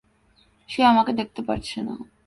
সে আমাকে দেখতে পারছে না।